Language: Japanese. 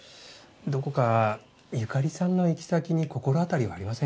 どこか由香里さんの行き先に心当たりはありませんか？